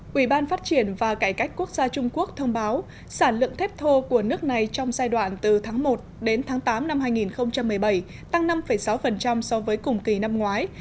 quỹ ban phát triển và cải cách quốc gia trung quốc thông báo sản lượng thép thô của nước này trong giai đoạn từ tháng một đến tháng tám năm hai nghìn một mươi bảy tăng năm sáu so với cùng kỳ năm ngoái